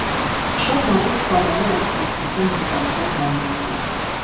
Շատ մարդիկ կամավոր անդամակցեցին բրիտանական բանակին։